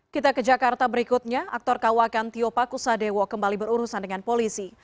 kita ke jakarta berikutnya aktor kawakan tio pakusadewo kembali berurusan dengan polisi